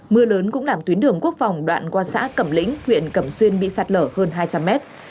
mưa lớn cũng làm tuyến đường quốc phòng đoạn qua xã cẩm lĩnh huyện cẩm xuyên bị sạt lở hơn hai trăm linh mét